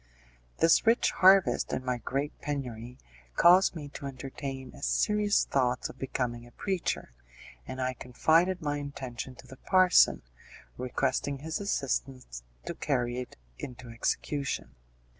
This rich harvest, in my great penury, caused me to entertain serious thoughts of becoming a preacher, and I confided my intention to the parson, requesting his assistance to carry it into execution.